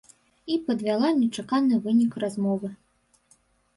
І падвяла нечаканы вынік размовы.